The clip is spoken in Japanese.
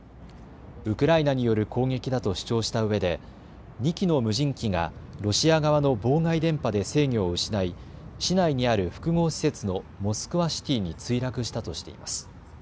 ウクライナによる攻撃だと主張したうえで２機の無人機がロシア側の妨害電波で制御を失い市内にある複合施設のモスクワシティに墜落したとしています。